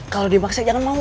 kalau dimaksa jangan mau